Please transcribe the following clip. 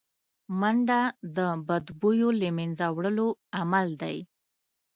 منډه د بدبویو له منځه وړو عمل دی